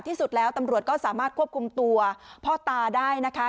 ที่สุดแล้วตำรวจก็สามารถควบคุมตัวพ่อตาได้นะคะ